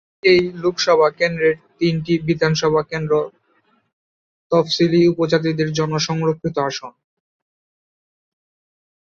এই লোকসভা কেন্দ্রের তিনটি বিধানসভা কেন্দ্র তফসিলী উপজাতিদের জন্য সংরক্ষিত আসন।